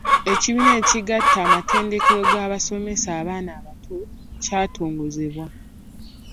Ekibiina ekigatta amatendekero g’abasomesa b’abaana abato kyatongozebwa.